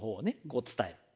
こう伝える。